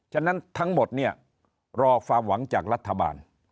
ฉะนั้นทั้งหมดเนี่ยรอความหวังจากรัฐบาล